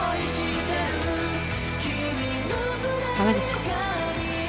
ダメですか？